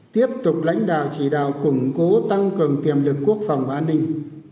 tiếp tục lãnh đạo chỉ đạo củng cố tăng cường tiềm lực quốc phòng an ninh